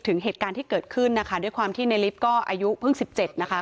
ถึงเหตุการณ์ที่เกิดขึ้นนะคะด้วยความที่ในลิฟต์ก็อายุเพิ่ง๑๗นะคะ